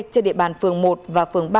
trên địa bàn phường một và phường ba